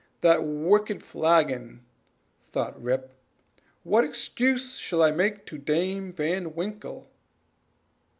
that wicked flagon!" thought Rip "what excuse shall I make to Dame Van Winkle?"